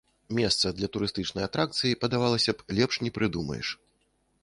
Месца для турыстычнай атракцыі, падавалася б, лепш не прыдумаеш.